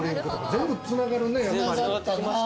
全部つながるね。